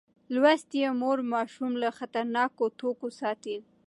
لوستې مور ماشوم له خطرناکو توکو ساتي.